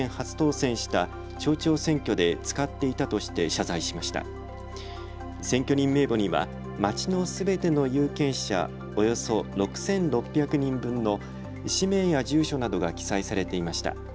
選挙人名簿には町のすべての有権者、およそ６６００人分の氏名や住所などが記載されていました。